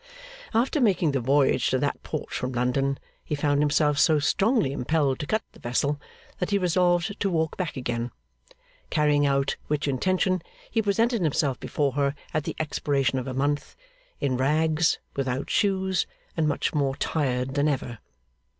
After making the voyage to that port from London, he found himself so strongly impelled to cut the vessel, that he resolved to walk back again. Carrying out which intention, he presented himself before her at the expiration of a month, in rags, without shoes, and much more tired than ever.